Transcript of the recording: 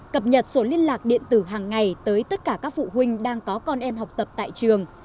cập nhật sổ liên lạc điện tử hàng ngày tới tất cả các phụ huynh đang có con em học tập tại trường